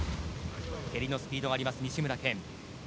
蹴りのスピードがあります西村拳。